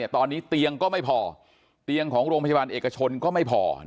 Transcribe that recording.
ตอนนี้เตียงก็ไม่พอเตียงของโรงพยาบาลเอกชนก็ไม่พอ